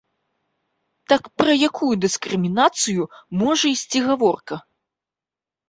Так пра якую дыскрымінацыі можа ісці гаворка?